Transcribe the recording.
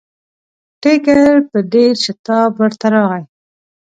ټکر په ډېر شتاب ورته راغی.